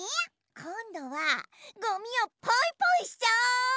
こんどはごみをポイポイしちゃおう！